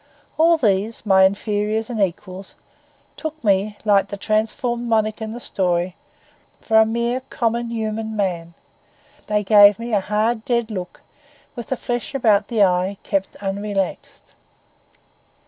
All these, my inferiors and equals, took me, like the transformed monarch in the story, for a mere common, human man. They gave me a hard, dead look, with the flesh about the eye kept unrelaxed.